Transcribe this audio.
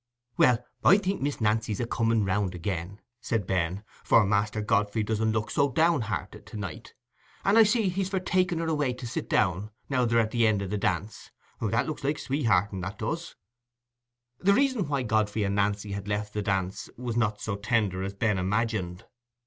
"Well, I think Miss Nancy's a coming round again," said Ben, "for Master Godfrey doesn't look so down hearted to night. And I see he's for taking her away to sit down, now they're at the end o' the dance: that looks like sweethearting, that does." The reason why Godfrey and Nancy had left the dance was not so tender as Ben imagined.